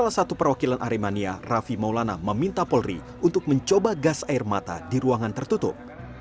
salah satu perwakilan aremania raffi maulana meminta polri untuk mencoba gas air mata di ruangan tertutup